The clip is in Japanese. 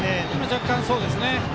若干、そうですね。